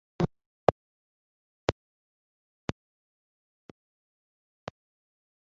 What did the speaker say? ko wumva yashatse amaraso, aho kutumarira ibintu!